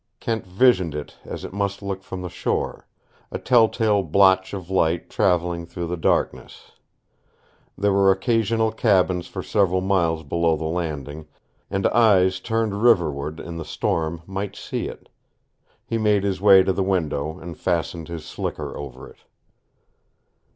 Kent visioned it as it must look from the shore a telltale blotch of light traveling through the darkness. There were occasional cabins for several miles below the Landing, and eyes turned riverward in the storm might see it. He made his way to the window and fastened his slicker over it.